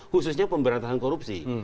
khususnya pemberantasan korupsi